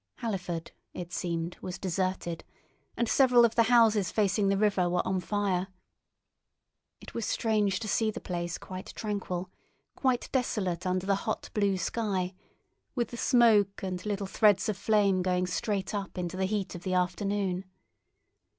Halliford, it seemed, was deserted, and several of the houses facing the river were on fire. It was strange to see the place quite tranquil, quite desolate under the hot blue sky, with the smoke and little threads of flame going straight up into the heat of the afternoon.